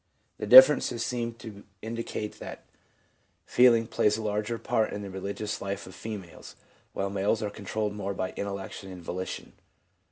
The differences seem to indicate that feeling plays a larger part in the religious life of females ', while males are controlled more by intellection and volition.